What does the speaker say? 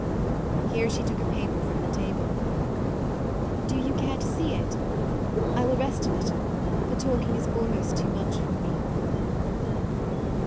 Here she took a paper from the table :" Do you care to see it ? I will rest a little, for talk ing is almost too much for me.'